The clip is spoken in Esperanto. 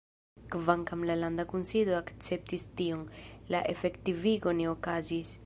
Kvankam la landa kunsido akceptis tion, la efektivigo ne okazis.